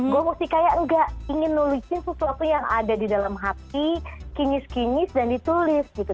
gue harus kayak nggak ingin nulis sesuatu yang ada di dalam hati kinyis kinyis dan ditulis gitu